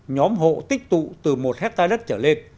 nhóm hộ tích tụ từ một hectare đất trở lên